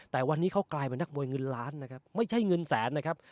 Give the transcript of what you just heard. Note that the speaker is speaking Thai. แต่วันนี้เขากลายเป็นนักมวยเงินล้านนะครับไม่ใช่เงินแสนนะครับ